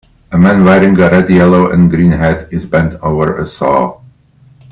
A man wearing a red yellow and green hat is bent over a saw